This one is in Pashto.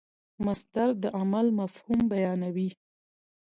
مصدر د عمل مفهوم بیانوي.